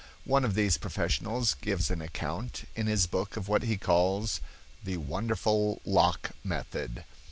One of these professionals gives an account in his book of what he calls "The Wonderful Lock Method."